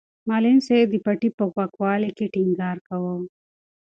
معلم صاحب د پټي په پاکوالي ټینګار کاوه.